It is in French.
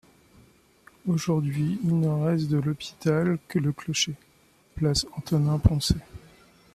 Aujourd’hui, il ne reste de l’hôpital que le clocher, place Antonin-Poncet.